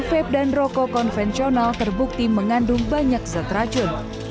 vape dan rokok konvensional terbukti mengandung banyak zat racun